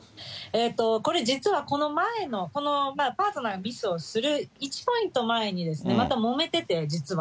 これ、実はこの前のこのパートナーがミスをする１ポイント前に、またもめてて、実は。